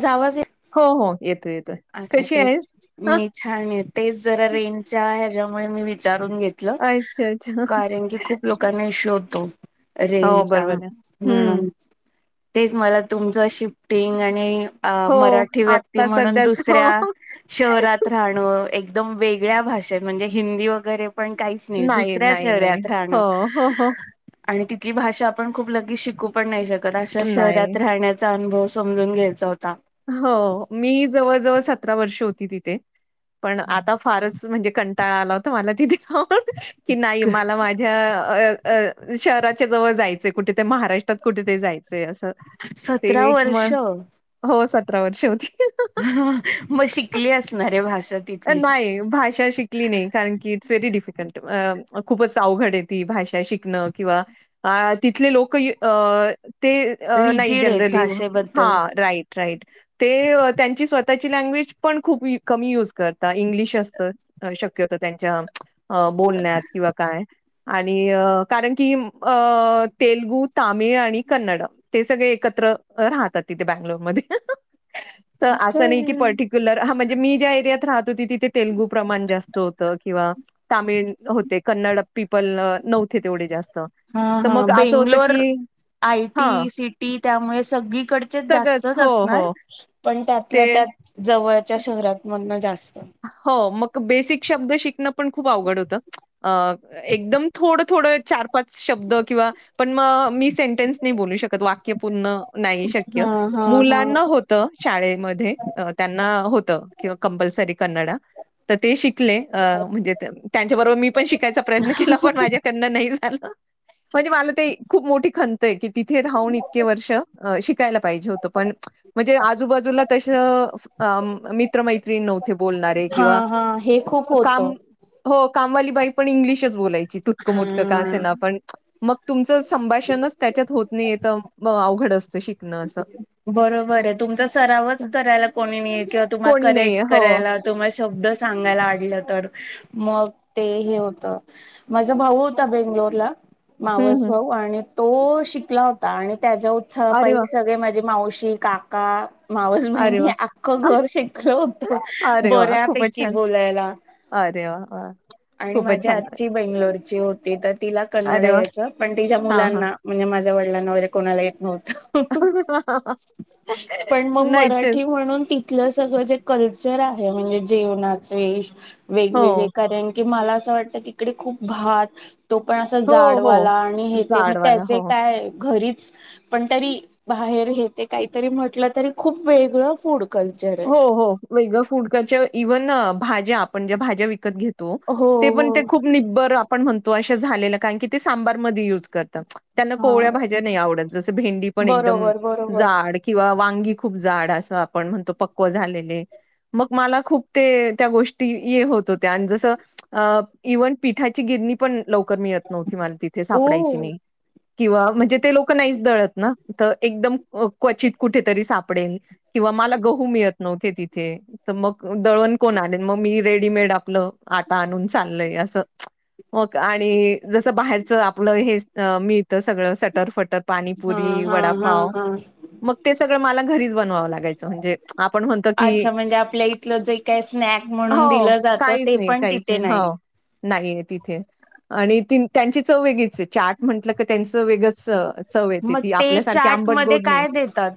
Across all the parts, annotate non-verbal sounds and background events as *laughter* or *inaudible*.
जावाजे हो, हो. येतोय, येतोय. अच्छा कशी आहेस? तेच हां, मी छान तेच जरा रेनच्या आहे त्यामुळे मी विचारून घेतलं अच्छा, अच्छा. कारण की खूप लोकांना इशूतो हो, रेजचा बरोबर ना. हं. म्हणून तेच मला तुमचं शिफ्टिंग आणि अ हो, मराठी व्यक्ती आत्ता म्हणून सध्याच हो. दुसऱ्या शहरात राहणं एकदम वेगळ्या भाषेत म्हणजे हिंदी वगैरे पण काहीच नाही दुसऱ्या नाही, नाही. शहर्यात हो, राहणं हो, हो. आणि तिथली भाषा आपण खूप लगेच शिकू पण नाही शकत अशा नाही. शहरात राहण्याचा अनुभव समजून घ्यायचा होता हो मी जवळ जवळ सतरा वर्ष होती तिथे पण आता फारच म्हणजे कंटाळा आला होता मला तिथे हो की नाही मला माझ्या अ शहराच्या जवळ जायचंय कुठेेतरी महाराष्ट्रात कुठेतरी जायचं अस ते सतरा वक म्ह वर्ष हो सतरा वर्ष होती मग शिकले असणारे भाषा तिथली नाही भाषा शिकली नाही कारण की व्हेरी डिफिकल्ट खूपच अवघड आहे ती भाषा शिकणं किंवा तिथले लोक अ *inaudible* नाही रिजिड आहेत जनली भाषेबद्दल रा त्यां स्वः *inaudible* ल्ज पण खप क यज कर इ असत शक्य होत त्यांच्या अ बोलण्यात किंवा काय आणि कारण की अ तेलुगू, तामिळ आणि कन्नडम ते सगळे एक त्र राहतात तिथे बंगलोरमध्ये. त असं नाही की पर्टिक्युलर हा म्हणजे मी ज्या एरियात राहत होती तिथे तेलगू प्रमाण जास्त होत किंवा तामिळ होते कन्नड पीपल अ नवथे तेवढे जास्त. हा तर हा मग असं होतं की बेंगलोर. आय हां, टी सीटी त्यामुळे सगळीकडचेच सगळंच. जास्तच हो, असणार हो. पण त्यातल्या ते त्यात जवळच्या शहरात म्हणून जास्त हो मग बेसिक शब्द शिकणं पण खूप आवघड होत एकदम थोड थोडं चार पाच शब्द किंवा पण म मी सेंटेन्स नाही बोलू शकत वाक्य पूर्ण नाही शक्य हा हा हा मुलांना होत शाळेमध्ये त्यांना होत किंवा कंपल्सरी कन्नड ह. तर ते शिकले अ म्हणजे त्यांच्याबरोबर मी पण शिकायचा प्रयत्न केला पण माझ्याकडनं नाही झालं. म्हणजे मला ते खूप मोठी खंन त की तिथे राहून इतके वर्ष शिकायला पाहिजे होत पण म्हणजे आजूबाजूला तस मित्रमैत्रिण नवते बोलणारे, हा किंवा हा हे खूप होत काम हो काम वाली बाई पण इंग्लिशच बोलायची तुटकमटक का हा असेना पण मग तुमचं संभाषणच त्याच्यात होत नाहीये त अवघड असत शीक बरोबरे तुमचा सरावच करायला कोणी नाही किंवा तुम्हाला कोणी करेक्ट नाहीये हो करायला. तुम्हाला शब्द सांगायलालं आडल तर मग ते होत माझ भाऊ होता, बेंगलोरला हं, मावस हं. भाऊ आणि तो शिकला होता आणि त्याच्या उत्साहा अरे पाई वाह! माझी मावशी, काका मावस अरे बहिणी, वाह! आख्खं घर शेकलं होत अरे वाह! खूपच बऱ्यापैकी छान. बोलायला. अरे वा वा. आणि माझी आजी बेंगलोर ची होत ती तर तिला कन्नड अरे वाह! यायचं पण तिच्या हां, हां. मुलांना म्हणजे माझ्या वडिलांना वगैरे कोणाला येत नव्हतं. पण मग नाही तेच. मराठी म्हणून ति तीथल सगळ जे कल्चर आहे म्हणजे जेवणाचे हो. वेगवेगळे कारण की मला असं वाटतं तिकडे खूप भात तो पण असं हो, हो. जाडवाला आणि हे ते मग जाडवाला. त्याचे हो. काय घरीच पण तरी बाहेर घेते काहीतरी म्हटलं तरी खूप वेगळं फूड. कल्चर आहे. हो हो वेगळ फूड करच्या इव्हन भाज्या. ज्या भाज्या विकत घेतो घेतो हो ते हो पण खूप निबर आपण म्हणतो अशा झालेलं कारण की ते सांबार म युज करत. त्यांना हा कोवळ्या भाज्या नाही आवडत जस भेंडी पण एकदम बरोबर बरोबर जाड कींवा वा ंगी खूप जाड अस आपण म्हणतो पक्व झालेले. मग मला खूप ते त्या गोष्टी ये होत होत्या, आणि जसं इव्हन पिठाची गिरणी पण लवकर मिळत नव्हती मला तिथे ओ सापडायची नाई. किंवा म्हणजे ते लोक नाहीच दळत ना त एकदम क्वचित कुठेतरी सापडेन. किंवा मला गहू मिळ नवते तिथे त मग दळण कोण आनील मग मी रेडीमेड आपलं आटा आणून चाललय. असं. होका? आणि जसं बाहेरच आपलं हे मिळत सगळं सटरफटर हा पाणीपुरी हा हा वडापाव हा मग ते सगळं मला घरीच बनवावं लागायचं म्हणजे. आपण म्हणत की अच्छा म्हणजे आपल्या इथलं जे काय स्नॅक म्हणून हो दिलं जातं काहीच ते नाही पण काहीच तिथे नाही. ह. हो. नाहीये तिथे आणि त त्यांची चव वेगळीचे चार्ट म्हटलं का त्यांचं वेगंच चव येते मग ती ते आपल्यासारखे चाट आंबट मध्ये गोड नाही. काय देतात?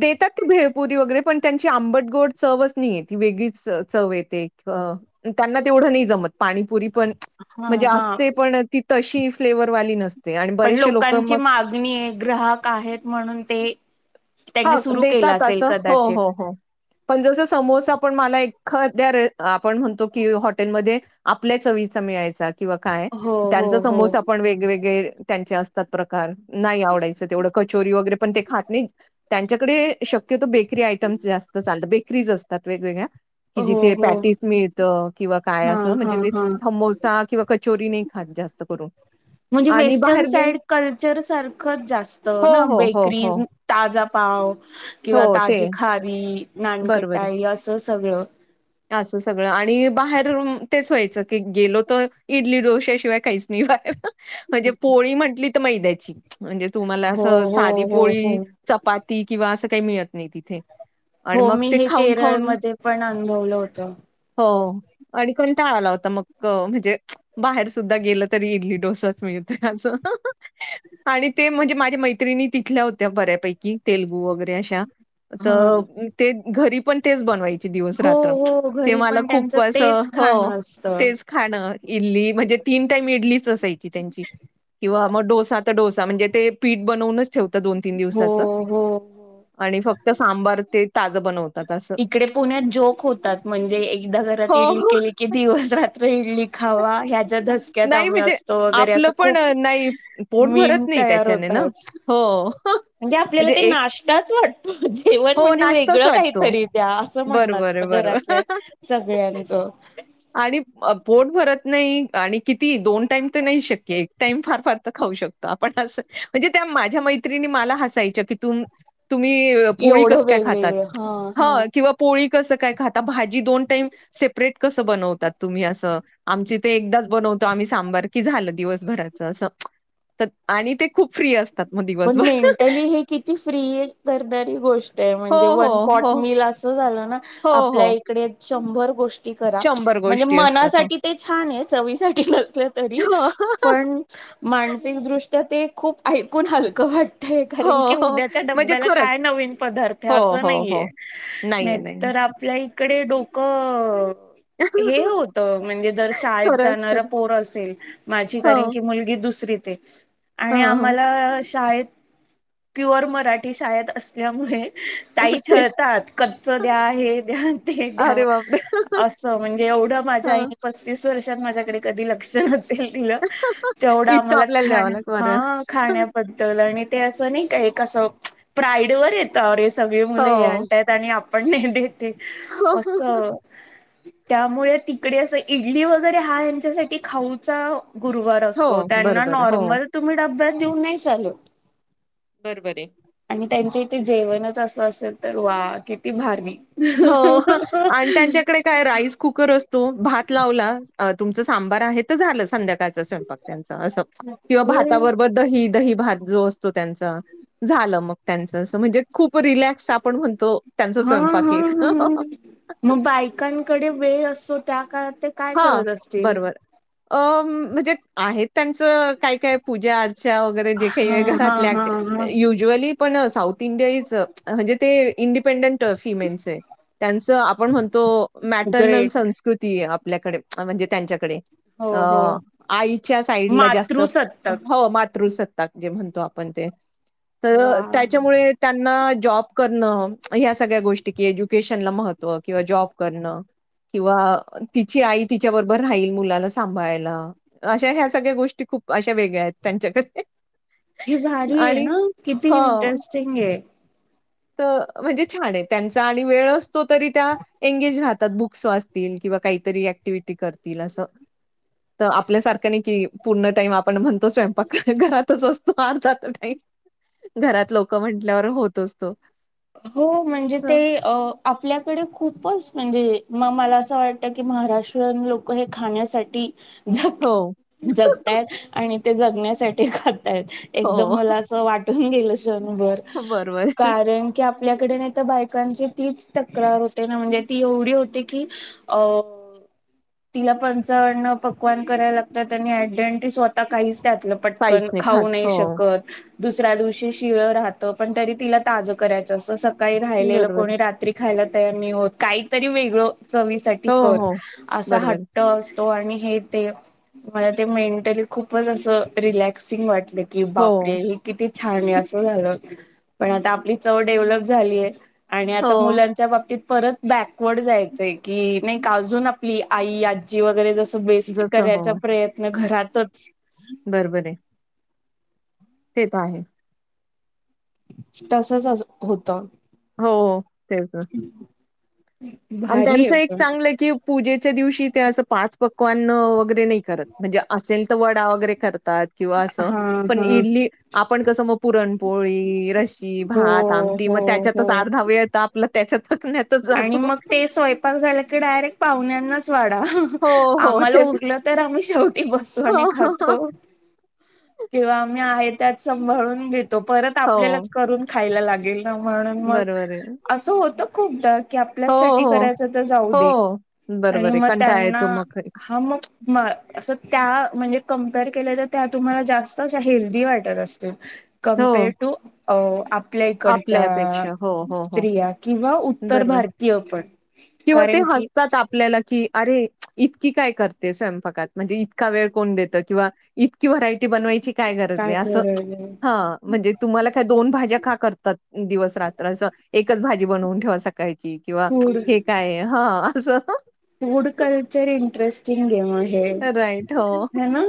देताते भेळ पुरी वगरे पण त्यांची आंबटगोड चवच नाहीये ती वेगळीच चव येते त्यांना कुठं नाही जमत पाणीपुरी पण. हा म्हणजे हा असते पण ती तशी फ्लेवरवाली नसते. आणि पण बरेचसे लोकं लोकांची मग मागणी आहे ग्राहक आहेत म्हणून ते. त्यांनी हां, सुरू केला. देतात असेल हो कदाचित हो हो पण जस समोसा पण मला एक. ख *unintelligible* आपण म्हणतो, कि हॉटेलमध्ये आपल्या चवीचा मिळायचा. किंवा काय, हो हो त्यांचा हो समोसा पण वेगवेगळे त्यांचे असतात प्रकार, नाही आवडायचं तेवढं कचोरी वगैरे पण ते खात नाही, त्यांच्याकडे शक क्यतो बेकरी आयटमस् जास्त चालत, बेकरीज असतात वेगवेगळ्या. कि हो जिथे हो पॅटीस मिळतं किंवा काय हा असं हा म्हणजे ते हा समोसा किंवा कचोरी नाही खात. जास्त करून. म्हणजे आणि वेस्टर्न बाहेर गे साईड कल्चर सारखंच जास्त हो, ना हो, हो, हो, बेकरीज् ताजा पाव किंवा ताजी खारी बरोबरंय, नानकटाई असं सगळं असं सगळं आणि बाहेर रून तेच व्हायचं, की गेलो तर इडली डोश्या शिवाय काहीच नाही बाहेर. म्हणजे पोळी म्हंटली तर मैद्याची, म्हणजे तुम्हाला हो असं हो साधी हो हो पोळी चपात ती किंवा असं काही मिळत नाही तिथे. आणि हो मग मी ते हे खाऊन खाऊन, केरळमध्ये पण अनुभवलं होतं हो. आणि कोणी टाळाला लावता मग, म्हणजे बाहेर सुद्धा गेलं तरी इडली डोसाच मिळते असं. आणि ते म्हणजे माझ्या मैत्रिणी तिथल्या होत्या बऱ्यापैकी, तेलुगू वगैरे अशा. हा तर ते घरी पण तेच बनवायची दिवस हो रात्र, हो ते घरी मला पण त्यांचं खूप असं तेच ह, खाणं असतं तेच खाणं अ इडली म्हणजे तीन टाईम इडलीच असायची त्यांची, किंवा मग डोसा तर डोसा म्हणजे ते पीठ बनवूनच ठेव ता दोन तीन हो दिवसाचं हो हो आणि फक्त सांबार ते ताजं बनवतात असं. इकडे पुण्यात जोक होतात, म्हणजे एकदा घरात इडली हो. केली की दिवस रात् इडली खावा ह्याच्या धसक्यात नाही आम्ही म्हणजे असतो वगैरे आपलं असं पण खूप, अ, नाही पोट मी भरत नाही तयार त्याच्याने ना. होतात, हो. म्हणजे आपल्याला ते नाष्टाच वाटतो जेवण हो म्हणजे नाश्ताच वेगळं वाटतो. काहीतरी द्या. असं म्हणण बरोबर आहे, असतं घरातल्या बरोबर. सगळ्यांचं. आणि पोट भरत नाही. नाही आणि किती दोन टाईम तर नाही शक्य. एक टाईम फार फार तर खाऊ शकतो. आपण अस म्हणजे त्या माझ्या मैतत्रिणी मला हसायच्या. की तुम्ही पोळी एवढं कसली. खातात. वेगवेगळं हा हा किंवा पोळी कस काय खाता. भाजी दोन टाइम सेप्रेट कस बनवतात? तुम्ही असं. आमच्याहिते ते एकदाच बनवतो. आम्ही सांबर की झालं दिवसभराच अस. आणि ते खूप फ्री असत. पण मेंटली हे किती फ्री दरदरी गोष्ट आहे हो, म्हणजे हो, वन हो. पॉट मिल असं झालं ना. हो, हो. आपल्याकडे शंभर गोष्टी. करा म्हणजे गोष्टी असतात. हो. मनासाठी ते छान आहे. चवीसाठी नसलं तरी हो, पण मानसिकदृष्ट्या ते खूप ऐकून हलकं वाटतं. कारण की हो, हो. उद्याच्या म्हणजे डब्याला काय खरंच. नवीन पदार्थ हो, अस हो, नाहीये हो. नाहीये, नाहीं नाहीये. तर. आपल्या इकडे डोकं हे होत म्हणजे जर शाळेत खरंच, जाणार खरं. पोर असेल. माझी हो, कारण की मुलगी दुसरीत आणि हां, हां. आम्हाला. शाळेत प्युअर मराठी शाळेत असल्यामुळे. ताई तेच. छळतात. कच्च द्या हे द्या. ते द्या अरे बापरे! असं म्हणजे एवढं माझ्या हां. आईनी पस्तीस च वर्षात माझ्याकडे कधी लक्ष नसेल दिल तेवढं इतकं आम्हाला आपल्याला द्यावं खायाला लागतं वरण. हा खाण्याबद्दल आणि ते असं. नाहीं का प्राईड वर येत. सगळे मुलं हे हो. आणतायत. आणि आपण नाही देते अस. त्यामुळे तिकडे असं इडली वगैरे हा यांच्यासाठी खाऊचा गुरुवार हो, असतो. त्यांना बरोबर आहे. हो. नॉर्मल तुम्ही डब्यात देऊन नाही चालत. बरोबर आहे. आणि त्यांच्या इथे जेवणच असं असेल तर वा किती भारी. हो आणि त्यांच्याकडे काय राईस कुकर असतो. भात लावला तुमचं सांबार आहे तर झालं संध्याकाळच स्वयंपाक त्यांचा. असं. किंवा हो. भाताबरोबर दही दही भात जो असतो त्यांचा झालं मग त्यांच. अस म्हणजे खूप रिलॅक्स आपण म्हणतो त्यांचा हा स्वयंपाक. हा एक. मग बायकांकडे वेळ असतो, त्या काळात ते काय हां, करत असतील? बरोबर. अ म्हणजे आहेत त्यांचं काय काय पूजा, अर्चा वगैरे जे हा काही हा घरातल्या हा हा ऍक्टिव्हिटी उजूवली पण साऊथ इंडिया इज म्हणजे ते इंडिपेंडेन्ट फिमेन्स आहे. त्यांचं आपण म्हणतो मॅटर्नल ग्रेट संस्कृती आपल्याकडे म्हणजे त्यांच्याकडे हो अ हो आईच्या साईडला जास्त मातृसत्ताक हो मातृ स म्हणतो आपण ते त वा त्याच्यामुळे त्यांना जॉब करण. ह्या सगळ्या गोष्टी एज्युकेशनला महत्व किंवा जॉब करणं. किंवा तिची आई तिच्याबरोबर राहील मुलाला सांभाळायला. अशा ह्या सगळ्या गोष्टी खूप अशा वेगळ्या आहेत. *unintelligible* हे भारी आहे आणि ना किती हो. इंटरेस्टिंग आहे. म्हणजे छान आहे त्यांचा आणि वेळ असतो तरी त्या एंगेज राहतात. बुक्स वाचतील. किं किवा काहीतरी ऍक्टिव्हटी करतील असं. तर आपल्यासारखं नाही कि पूर्ण टाईम आपण म्हणतो स्वयंपाक घरातच असतो. अर्धात टाईम. घरात लोक म्हंटल्यावर होतोच तो. हो म्हणजे तर ते आपल्याकडे खूपच म्हणजे मग मला असं वाटतं की महाराष्ट्रीयन लोक हे खाण्यासाठी जग हो. जगताय आणि ते जगण्यासाठी खात एकदम हो. मला असं वाटून गेलं क्षणभर. बरोबर. कारण की आपल्याकडे नाही तर बायकांची तीच तक्रार होते ना म्हणजे ती एवढी होते की अ तिला पंचान्न पकवान करायला लागतात. आणि आयडंट्री ती स्वतः काहीच खा पटकन काहीच खात. खाऊ नाही हो. शकत. दुसऱ्या दिवशी शिळ राहत. पण तरी तीला ताज करायचं असतं. सकाळी राहिलेलं बरोबर. कोणी रात्री खायला तयार नाही होत. काहीतरी वेगळं चवीसाठी हो, कर. हो. आसा बरोबर. हट्ट अस तो आणि हे ते मला ते मेंटली खूपच असं रिलॅक्सिंग वाटले. कि हो. बापरे ही किती छान आहे. असं झालं पण आता आपली चव डेव्हलप झालीय. आणि आता हो, मुलांच्या बाबतीत परत बॅकवर्ड जायचंय. की नाही का अजून आपली आई आजी वगैरे जस बेस्ट जसं करायचा प्रयत्न घरातच बरबर आहे. तेेत आहे. तसच अस होतं. हो तेच ना. आणि भारी त्यांच आहे एक पण चांगलं की पूजे च्या दिवशी ते असं पाच पक्वान वगैरे नाही करत. म्हणजे असेल तर वडा वगैरे करतात. किंवा असं हा पण हा इडली आपण कसं मग पुरणपोळी रशी की हो भात आमटी हो मग हो त्याच्यातच अर्धा वेळ येत आपला त्याच्यात करण्यातच आणि जातो. मग ते सोयपाक झाल की डारेक्ट पाहुण्यांनाच वाडा हो, हो, आम्हाला तेच. उरलं तर आम्ही शेवटी बसतो. आणि हो, खातो. हो, किंवा मी आहे त्यात सभाळून घेतो. परत हो, आपल्यालाच करून खायला लागेल. म्हणून मग बरोबर आहे. असं होत खूपदा. की हो, आपल्यासाठी हो, करायचं तर जाऊ दे. हो, आणि बरोबर आहे. मग कंटाळा त्यांना येतो मग. हा मग असं त्या म्हणजे कंपईर केल्या तर त्या तुम्हाला जास्त हेल्दी वाटत असतील कमपेअर हो, टू अ आपल्या आपल्या इकडच्या अपेक्षा. हो, हो, हो, स्त्रिया किंवा उत्तर बरोबर. भारतीय पण किंवा ते कारण की हसतात आपल्याला, की अरे इतकी काय करते स्वयंपाकात म्हणजे इतका वेळ कोण देतं किंवा इतकी व्हरायटी बनवायची काय गरज अस ह म्हणजे तु का दोन भाज्या का करतात दिवस रात्र असं एकच भाजी बनवून ठेवा सकाची किंवा फूड हे काय ह अस फूड कल्चर इंटरेस्टिंग गेम आहे राइट. हो, ह ना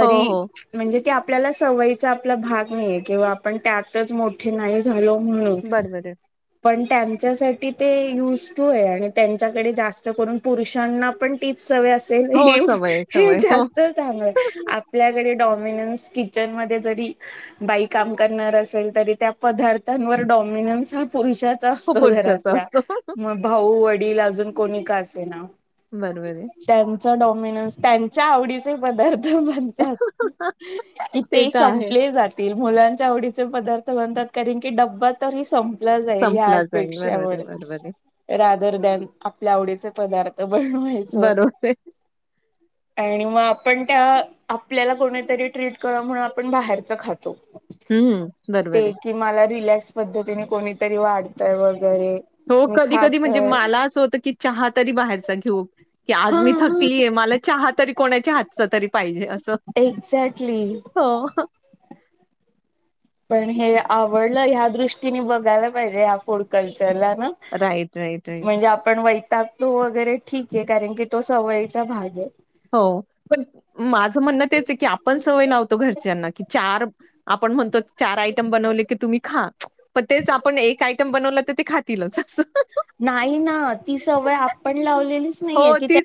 हो, हो. म्हणज आपल्याला सवयीचा आपला भाग नाही किंवा आपण त्यातच मोठे नाही झालो ह बरोबर आहे. पण त्यांच्यासाठी ते युजफू आहे आणि त्यांच्याकडे जास्त पुरुषांना पण तीच सवय असेल हो, सवय आहे, हे सवय आहे. हो. जास्त तांग आपल्याकडे नॉमिनेस किचन मध्ये जरी बाई काम करणार असेल तरी त्या पदार्थांवर डॉ नॉमिनेस हा पुरुषात हो, असतो पुढच्याचा घरातल्या असतो. मग भाऊ वडील अजून कोणी का असे ना बरोबर आहे डॉमिणस न त्यांच्या आवडीचे पदार् म्हणतात कि ते तर आहे. संपले जातील मुलांच्या आवडीचे पदार्थ म्हणतात कारन की ड्बा तरी संप जाल संपला जाईल. बरोबर हपेक्षावर आहे, बरोबर आहे. रादर देण न आपल्या आव पार्थ बनवाय बरोबर आहे. आणि मग पण त्या आपल्याला कोणीतरी ट्रीक करा म्हण आपण बाहेरच खातो हं, बरोबर आहे. ते कि मला रिलॅक्स पद्धतीने कोणीतरी वाढतय व हो कधी कधी म्हणजे मला असं होतं की चहा तरी बाहेरच घेऊ की आज हा मी हा थकलीय मला चहा तरी कोणाच्या हातचा तरी पाहिजे असं एक्झॅक्टली ह पण हे आवडलं ह्या दृष्टीने बघायला पाहिजे या फोडकल राइट, राइट, राइट. म्हणजे आपन टाकतो वगैरे ठीक आहे कारण की तो सवयीचा भाग आहे हो पण माझं म्हणणं तेच आहे की आपण सवय लाव्हतो घरच्यांना कि चार आपण म्हणतो चार आयटम बनवले की तुम्ही खा प तेच आपण एक बनवलं तर ते खातीलच अस नाही ना ती सवय आपण लावलेलीच नाहीय हो, त तीच